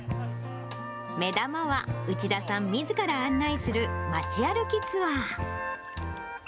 目玉は、内田さんみずから案内する町歩きツアー。